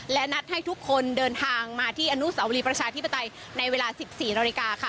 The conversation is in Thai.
และนัดให้ทุกคนเดินทางมาที่อนุสาวรีประชาธิปไตยในเวลา๑๔นาฬิกาค่ะ